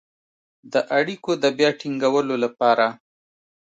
د اړیکو د بيا ټينګولو لپاره